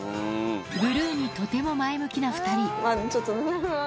ブルーにとても前向きな２人。